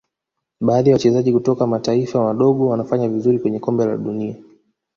baadhi ya wachezaji kutoka mataifa madogo wanafanya vizuri kwenye Kombe la dunia